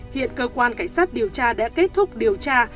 hiện cơ quan cảnh sát điều tra đã kết thúc điều tra